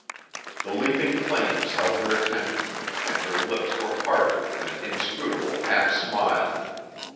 The leaping flames held her attention and her lips were parted in an inscrutable half smile.